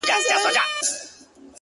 • د هغه ورځي څه مي؛